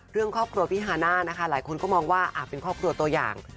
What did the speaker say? เรื่องครอบครัวพี่ฮาน่านะคะหลายคนก็มองว่าเป็นครอบครัวตัวอย่าง